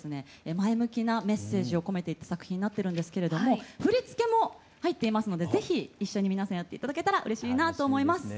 前向きなメッセージを込めていった作品になってるんですけれども振り付けも入っていますので是非一緒に皆さんやって頂けたらうれしいなと思います。